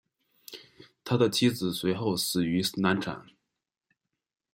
他的妻子随后死于难产。